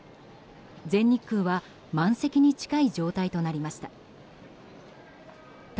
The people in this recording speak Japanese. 全日空は満席に近い状態となりました。